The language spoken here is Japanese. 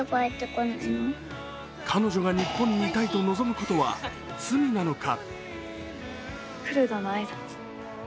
彼女が日本にいたいと望むことは罪なのか。